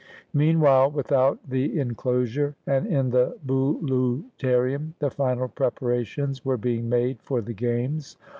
Meanwhile without the in closure, and in the Bouleuterium, the final preparations were being made for the games.